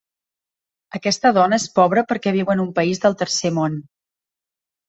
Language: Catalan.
Aquesta dona és pobra perquè viu en un país del Tercer Món